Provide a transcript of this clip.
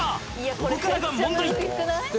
ここからが問題